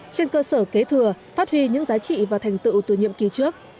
trên cơ sở kế thừa phát huy những giá trị và thành tựu từ nhiệm kỳ trước